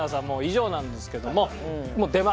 もう以上なんですけども。